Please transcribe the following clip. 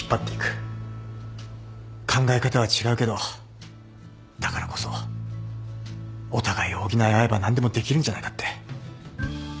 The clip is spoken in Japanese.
考え方は違うけどだからこそお互いを補い合えば何でもできるんじゃないかって。